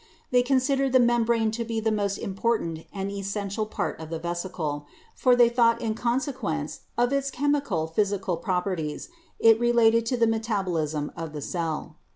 They considered the membrane to be the most important and essential part of the vesicle, for they thought that in con sequence of its chemico physical properties it regulated the metabolism of the cell.